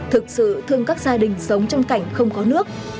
thực sự thương các gia đình sống trong cảnh không có nước